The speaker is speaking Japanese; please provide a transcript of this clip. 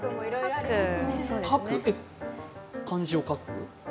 漢字を書く？